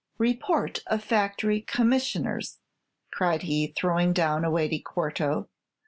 "Report of factory commissioners," cried he, throwing down a weighty quarto.